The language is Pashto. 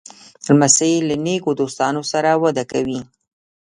لمسی له نیکو دوستانو سره وده کوي.